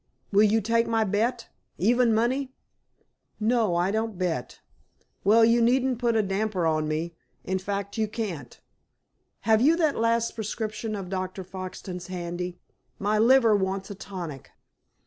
Will you take my bet, even money?" "No. I don't bet." "Well, you needn't put a damper on me. In fact, you can't. Have you that last prescription of Dr. Foxton's handy? My liver wants a tonic."